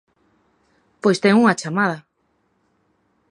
Pois ten unha chamada.